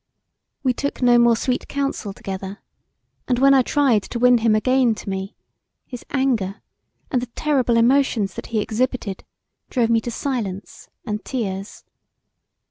We took no more sweet counsel together; and when I tried to win him again to me, his anger, and the terrible emotions that he exhibited drove me to silence and tears.